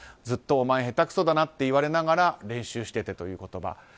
ずっとお前、下手くそだなって言われながら練習しててという言葉。